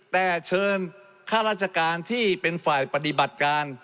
แต่เชิญข้าราชการที่เป็นฝ่ายปฏิบัติการ